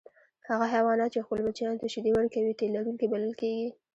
هغه حیوانات چې خپلو بچیانو ته شیدې ورکوي تی لرونکي بلل کیږي